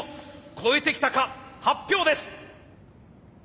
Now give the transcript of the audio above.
超えてきたか発表です！